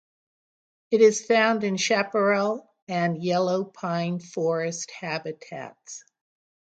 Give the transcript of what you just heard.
It is found in chaparral and Yellow pine forest habitats.